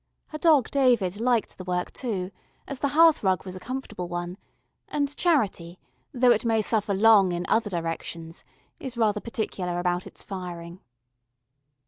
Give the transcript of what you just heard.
Her Dog David liked the work too, as the hearth rug was a comfortable one, and Charity, though it may suffer long in other directions, is rather particular about its firing.